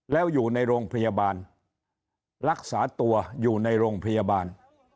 แล้วอยู่ในโรงพยาบาลรักษาตัวอยู่ในโรงพยาบาล